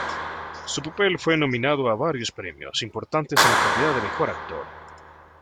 Su papel fue nominado a varios premios importantes en calidad de mejor actor.